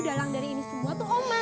dalang dari ini semua tuh oma